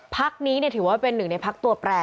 พักนี้ถือว่าเป็นหนึ่งในพักตัวแปร